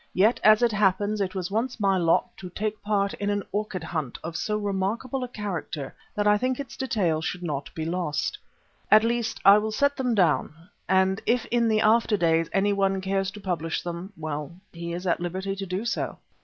Yet as it happens it was once my lot to take part in an orchid hunt of so remarkable a character that I think its details should not be lost. At least I will set them down, and if in the after days anyone cares to publish them, well he is at liberty to do so.